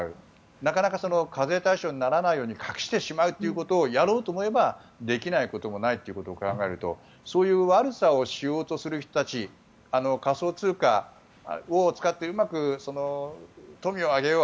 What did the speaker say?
なかなか課税対象にならないように隠してしまうことをやろうと思えばできないこともないということを考えるとそういう悪さをしようとする人たち仮想通貨を使ってうまく富を挙げよう